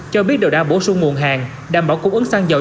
cho biết đều đã bổ sung nguồn hàng đảm bảo cung ứng xăng dầu